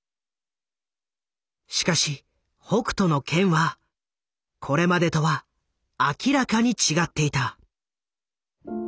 しかし「北斗の拳」はこれまでとは明らかに違っていた。